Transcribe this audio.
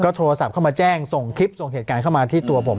โทรศัพท์เข้ามาแจ้งส่งคลิปส่งเหตุการณ์เข้ามาที่ตัวผม